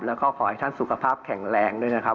แล้วก็ขอให้ท่านสุขภาพแข็งแรงด้วยนะครับ